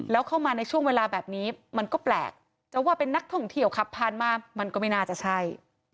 แล้วเข้ามาในช่วงเวลาแบบนี้มันก็แปลกจะว่าเป็นนักท่องเที่ยวขับผ่านมามันก็ไม่น่าจะใช่